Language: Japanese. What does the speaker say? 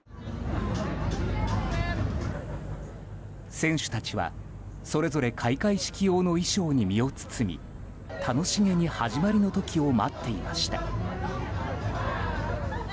選手たちは、それぞれ開会式用の衣装に身を包み楽しげに始まりの時を待っていました。